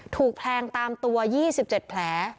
ถูกแทงตามตัว๒๗แผล